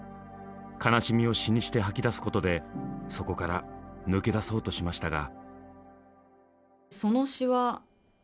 悲しみを詩にして吐き出すことでそこから抜け出そうとしましたが。